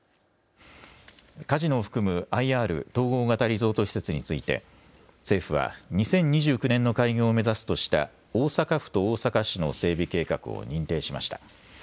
カジノを含むＩＲ・統合型リゾート施設について政府は２０２９年の開業を目指すとした大阪府と大阪市の整備計画を認定しました。